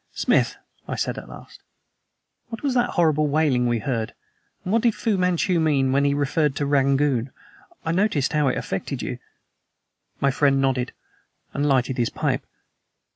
"Smith," I said at last, "what was that horrible wailing we heard, and what did Fu Manchu mean when he referred to Rangoon? I noticed how it affected you." My friend nodded and lighted his pipe.